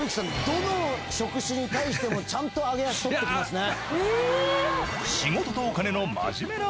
どの職種に対してもちゃんと揚げ足とってきますね。